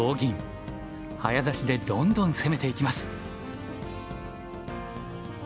早指しでどんどん攻めていきます。